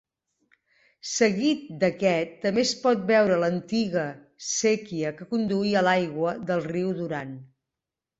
Seguit d'aquest també es pot veure l'antiga séquia que conduïa l'aigua del riu Duran.